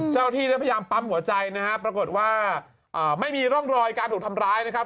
เจ้าหน้าที่ได้พยายามปั๊มหัวใจนะฮะปรากฏว่าไม่มีร่องรอยการถูกทำร้ายนะครับ